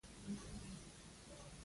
غواړی چی یوڅه تر لاسه کړی نو مطالعه وکړه